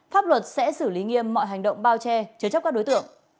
pháp luật sẽ xử lý nghiêm mọi hành động bao che chứa chấp các đối tượng